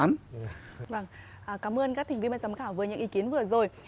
vâng cảm ơn các thành viên ban giám khảo với những ý kiến vừa rồi